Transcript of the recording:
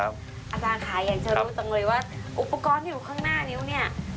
อุปกรณ์ที่อยู่ข้างหน้านิ้วเนี่ย